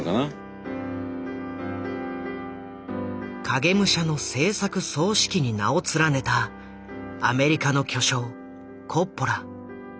「影武者」の製作総指揮に名を連ねたアメリカの巨匠コッポラ。